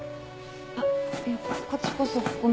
あっいやこっちこそごめん。